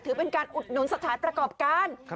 ถือเป็นการอุดหนุนสถานประกอบการ